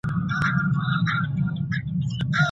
ولي کوښښ کوونکی د لوستي کس په پرتله هدف ترلاسه کوي؟